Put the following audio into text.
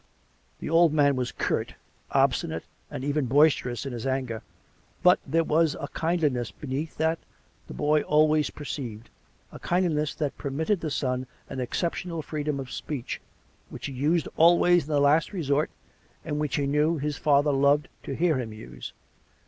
The old man was curt, obstinate, and even boisterous in his anger; but there was a kindliness beneath that the boy always perceived — a kindliness which permitted the son an exceptional freedom of speech, which he used always in the last resort and which he knew his father loved to hear him use.